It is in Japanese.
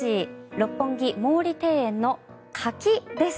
六本木・毛利庭園の柿です。